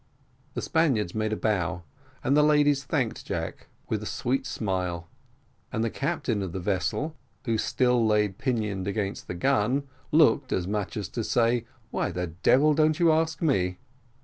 The Spaniards made a bow, and the ladies thanked Jack with a sweet smile; and the captain of the vessel, who still lay pinioned against the gun, looked, as much as to say, Why the devil don't you ask me?